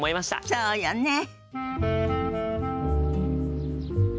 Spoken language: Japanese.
そうだねえ